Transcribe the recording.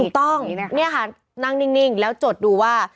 ถูกต้องนี่ค่ะนั่งนิ่งแล้วจดดูว่า